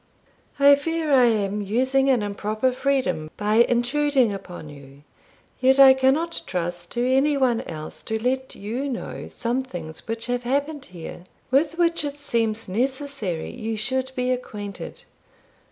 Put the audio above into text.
I fear I am using an improper freedom by intruding upon you, yet I cannot trust to any one else to let you know some things which have happened here, with which it seems necessary you should be acquainted.